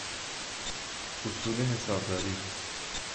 اصول حسابداری